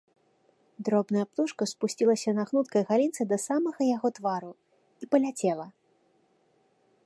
Дробная птушка спусцілася на гнуткай галінцы да самага яго твару і паляцела.